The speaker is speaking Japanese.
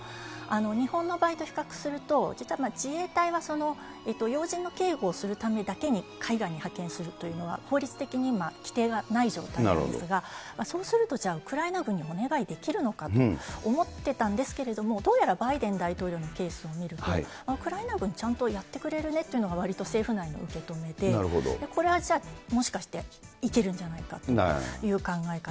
日本の場合と比較すると、実は自衛隊は要人の警護をするためだけに海外に派遣するというのは、法律的には規定はない状態なんですが、そうすると、じゃあウクライナ軍にお願いできるのかと思ってたんですけれども、どうやらバイデン大統領のケースを見ると、ウクライナ軍、ちゃんとやってくれるねっていうのが、わりと政府内の受け止めで、これはじゃあ、もしかしていけるんじゃないかという考え方。